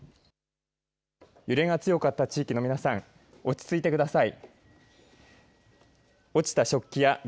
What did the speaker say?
揺れが強かった地域の皆さん、落ち着いてください。